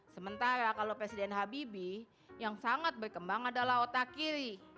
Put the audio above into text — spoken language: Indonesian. sementara kalau presiden habibie yang sangat berkembang adalah otak kiri